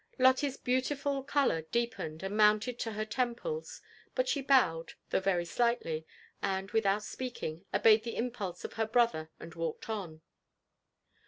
. Lotte's beautiful colour deepened and mounted to her temples; but she bowed, though very slightly, and, without speaking, obeyed the impulse of her brother and walked on.